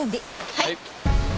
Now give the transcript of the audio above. はい！